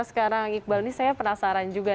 sekarang iqbal ini saya penasaran juga